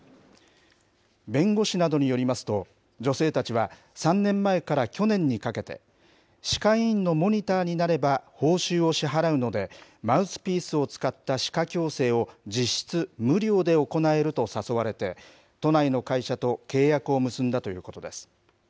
弁護士などによりますと、女性たちは３年前から去年にかけて、歯科医院のモニターになれば報酬を支払うので、マウスピースを使った歯科矯正を実質無料で行えると誘われて、都内の会社と契約を結んだということです。